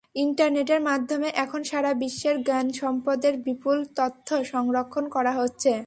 ইন্টারনেটের মাধ্যমে এখন সারা বিশ্বের জ্ঞান সম্পদের বিপুল তথ্য সংরক্ষণ করা হচ্ছে।